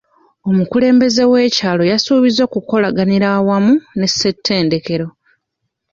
Omukulembeze w'ekyalo yasuubizza okukolaganira awamu ne ssettendekero.